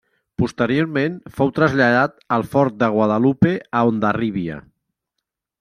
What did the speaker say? Posteriorment fou traslladat al fort de Guadalupe a Hondarribia.